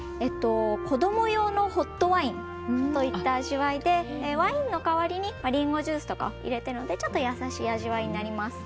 子供用のホットワインといった味わいでワインの代わりにリンゴジュースとかを入れてちょっと優しい味わいになります。